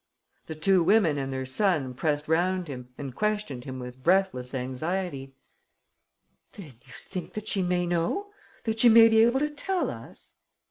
The two women and their son pressed round him and questioned him with breathless anxiety: "Then you think that she may know ... that she may be able to tell us....?"